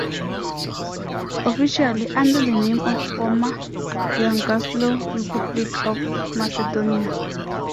Officially under the name of Former Yugoslav Republic of Macedonia.